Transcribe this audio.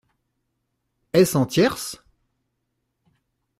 Est-ce en tierce ?